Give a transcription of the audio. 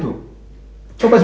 perusahaan kita terjepit